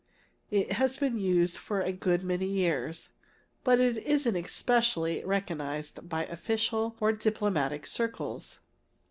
It has been in use for a good many years, but it isn't especially recognized by official or diplomatic circles.